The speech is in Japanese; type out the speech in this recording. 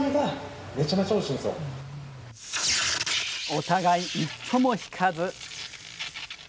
お互い、一歩も引かず。